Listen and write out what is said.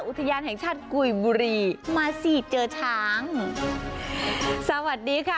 อุทยานแห่งชาติกุยบุรีมาสิเจอช้างสวัสดีค่ะ